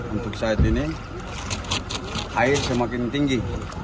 untuk saat ini air semakin tinggi